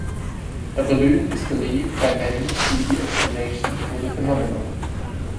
A balloon is believe by many to be the explanation for the phenomenon.